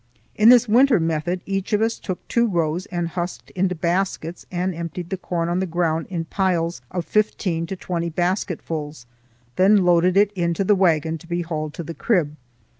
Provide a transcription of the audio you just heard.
In this winter method each of us took two rows and husked into baskets, and emptied the corn on the ground in piles of fifteen to twenty basketfuls, then loaded it into the wagon to be hauled to the crib.